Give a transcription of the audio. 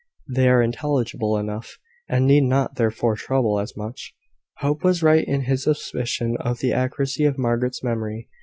They are intelligible enough, and need not therefore trouble us much." Hope was right in his suspicion of the accuracy of Margaret's memory.